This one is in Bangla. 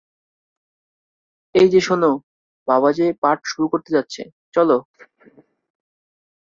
এই যে শোনো বাবাজি পাঠ শুরু করতে যাচ্ছে, চলো।